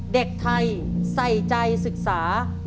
เด็กไทยใส่ใจศึกษา